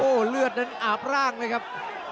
โอ้โหเลือดนั้นอาบร่างเลยครับ